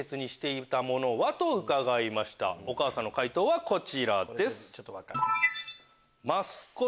お母さんの回答はこちらです。